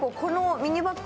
ミニバッグ。